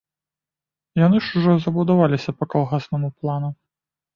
Яны ж ужо забудаваліся па калгаснаму плану.